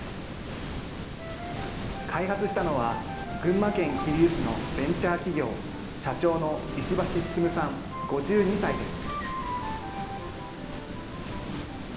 開発したのは、群馬県桐生市のベンチャー企業、社長の石橋進さん５２歳です。